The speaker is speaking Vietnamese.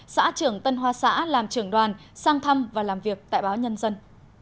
xã trưởng tân hoa xã làm trưởng đoàn sang thăm và làm việc tại báo nhân dân